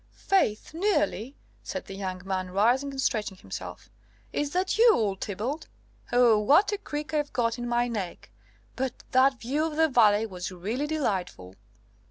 "Faith, nearly," said the young man, rising and stretching himself. "Is that you, old Thibault? Ow, what a crick I've got in my neck! But that view of the valley was really delightful!"